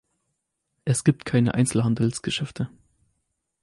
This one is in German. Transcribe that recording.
Es gibt keine Einzelhandelsgeschäfte.